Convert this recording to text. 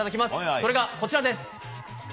それが、こちらです！